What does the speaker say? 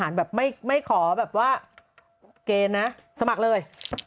แบบไม่ขอแบบว่าเกณฑ์นะสมัครเลย